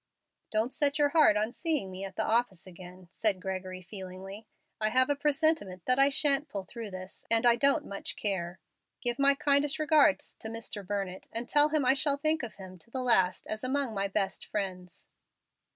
"Don't set your heart on seeing me at the office again," said Gregory, feelingly. "I have a presentiment that I shan't pull through this, and I don't much care. Give my kindest regards to Mr. Burnett, and tell him I shall think of him to the last as among my best friends."